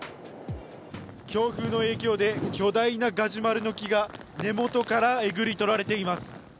強風の影響で巨大なガジュマルの木が根元からえぐり取られています。